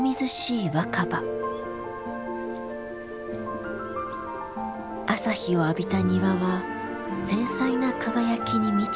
朝日を浴びた庭は繊細な輝きに満ちていた。